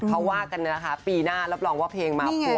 เขาว่ากันนะคะปีหน้ารับรองว่าเพลงมาพัว